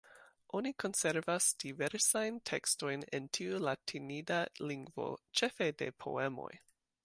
Oni konservas diversajn tekstojn en tiu latinida lingvo, ĉefe de poemoj.